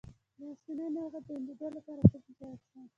د میاشتنۍ ناروغۍ د بندیدو لپاره کوم چای وڅښم؟